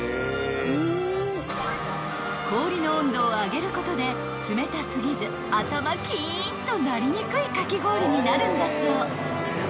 ［氷の温度を上げることで冷た過ぎず頭キーンとなりにくいかき氷になるんだそう］